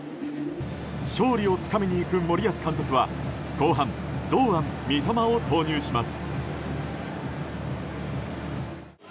勝利をつかみに行く森保監督は後半堂安、三笘を投入します。